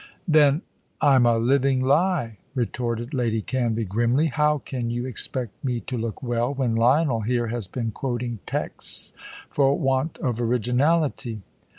"Then I'm a living lie," retorted Lady Canvey, grimly. "How can you expect me to look well, when Lionel here has been quoting texts for want of originality?"